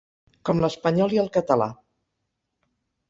Com l'espanyol i el català.